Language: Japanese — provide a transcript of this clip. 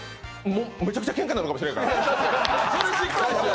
めちゃくちゃけんかになるかもしれないから。